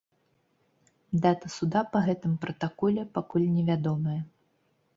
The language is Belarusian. Дата суда па гэтым пратаколе пакуль невядомая.